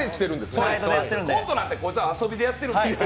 コントなんてこいつは遊びでやってるんですよ。